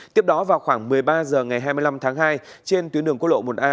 tiếp đó vào khoảng một mươi ba h ngày hai mươi năm tháng hai trên tuyến đường quốc lộ một a